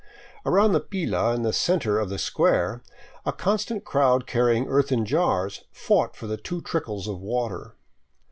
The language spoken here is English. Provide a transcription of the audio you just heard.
Around the pila in the center of the square a constant crowd carrying earthen jars fought for the two trickles of water.